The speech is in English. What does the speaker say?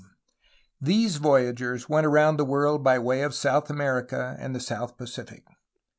These voyagers went around the world by way of South America and the south Pacific.